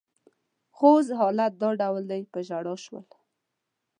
خو اوس حالت دا ډول دی، په ژړا شول.